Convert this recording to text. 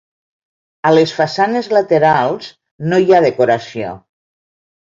A les façanes laterals no hi ha decoració.